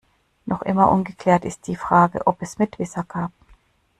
Noch immer ungeklärt ist die Frage, ob es Mitwisser gab.